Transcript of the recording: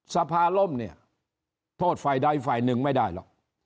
สภาล่มเนี่ยโทษฝ่ายใดฝ่ายหนึ่งไม่ได้หรอก